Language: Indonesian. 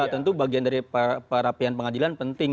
tentu bagian dari perapian pengadilan penting